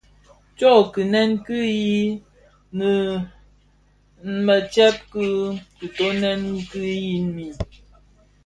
Tsoo kiňèn ki yin mi nnë tsèb ki kitöňèn ki yin mi.